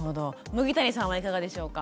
麦谷さんはいかがでしょうか？